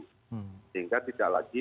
sehingga tidak lagi